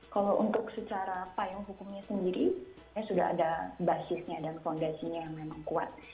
kalau untuk secara payung hukumnya sendiri sudah ada basisnya dan fondasinya yang memang kuat